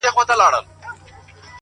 ژور انسان ژور اغېز پرېږدي؛